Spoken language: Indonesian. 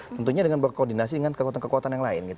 tentunya dengan berkoordinasi dengan kekuatan kekuatan yang lain